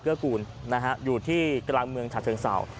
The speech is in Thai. เกื้อกูลนะฮะอยู่ที่กลางเมืองชาติเชิงเศร้า